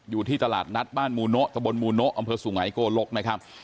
อยู่ที่ตลาดนัดบ้านหมูเนาะสบนหมูเนาะอำเภอสูงไหนโกโรกนะครับ